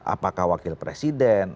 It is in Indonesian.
apakah wakil presiden